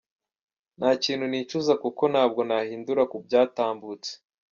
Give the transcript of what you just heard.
Nta kintu nicuza kuko ntabwo nahindura ku byatambutse.